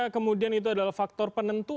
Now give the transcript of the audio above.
kemudian itu adalah faktor penentu